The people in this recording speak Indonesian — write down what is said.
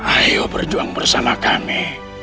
ayo berjuang bersama kami